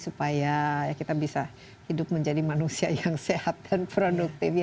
supaya kita bisa hidup menjadi manusia yang sehat dan produktif